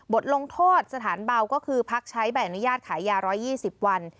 ลงโทษสถานเบาก็คือพักใช้ใบอนุญาตขายยา๑๒๐วัน